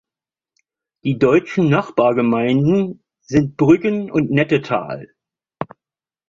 Die deutschen Nachbargemeinden sind Brüggen und Nettetal.